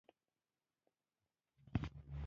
پالمر اهمیت نه ورکاوه.